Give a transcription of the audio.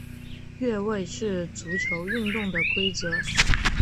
越位是足球运动的规则。